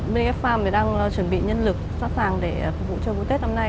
mình f farm đang chuẩn bị nhân lực sẵn sàng để phục vụ cho mùa tết năm nay